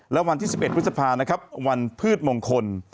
และวันที่๑๑พฤษภานะครับวันพืชมงคล